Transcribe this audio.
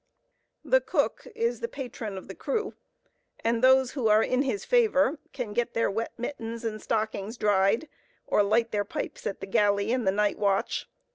The cook is the patron of the crew, and those who are in his favor can get their wet mittens and stockings dried, or light their pipes at the galley in the nightwatch.